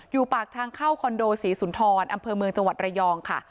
ปากทางเข้าคอนโดศรีสุนทรอำเภอเมืองจังหวัดระยองค่ะ